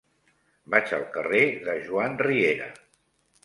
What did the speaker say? Vaig al carrer de Joan Riera.